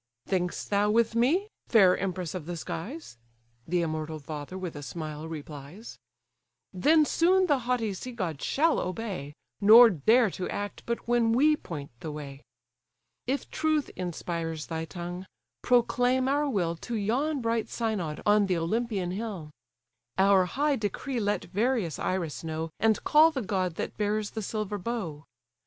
"Think'st thou with me? fair empress of the skies! (The immortal father with a smile replies;) Then soon the haughty sea god shall obey, Nor dare to act but when we point the way. If truth inspires thy tongue, proclaim our will To yon bright synod on the Olympian hill; Our high decree let various Iris know, And call the god that bears the silver bow.